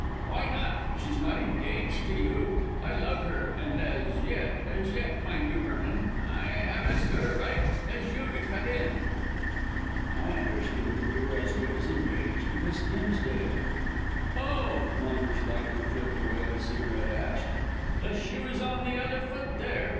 "Why not? She's not engaged to you. I love her, and, as yet as yet, mind you, Vernon I have as good a right as you to cut in." "I understood that you were as good as engaged to Miss Dimsdale." "Oh!" Maunders lightly flipped away a cigarette ash. "The shoe's on the other foot there.